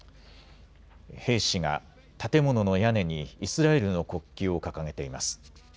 兵士が建物の屋根にイスラエルの国旗を掲げています。